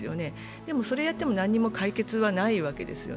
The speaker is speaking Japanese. でもそれをやっても何も解決はないわけですよね。